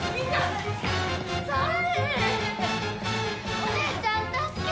お姉ちゃん助けて！